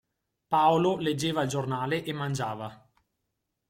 Paolo leggeva il giornale e mangiava.